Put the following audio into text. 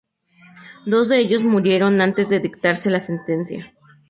Dos de ellos murieron antes de dictarse la sentencia.